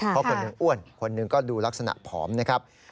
เพราะคนหนึ่งอ้วนคนหนึ่งก็ดูลักษณะผอมนะครับ